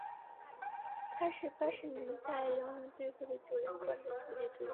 他是八十年代辽宁队获得九连冠的主力队员。